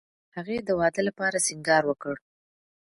هغې د واده لپاره سینګار وکړ